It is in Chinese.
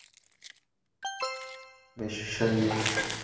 美食飨宴